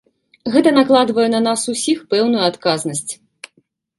Гэта накладвае на нас усіх пэўную адказнасць.